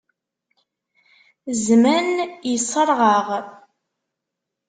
Zzman yeṣṣreɣ-aɣ.